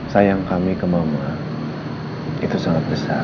sayang kami ke mama itu sangat besar